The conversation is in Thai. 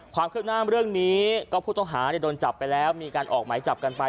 ความคืบหน้าเรื่องนี้ก็ผู้ต้องหาโดนจับไปแล้วมีการออกหมายจับกันไป